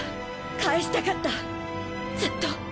返したかったずっと。